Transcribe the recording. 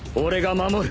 守る。